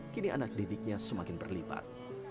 kini anak didiknya semakin berlipat